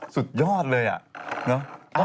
สุดยอดเลยอ่ะ